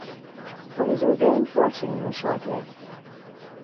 But his regained fortune was short-lived.